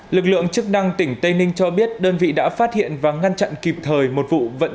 lực lượng chức năng tỉnh tây ninh cho biết đơn vị đã phát hiện và ngăn chặn kịp thời một vụ vận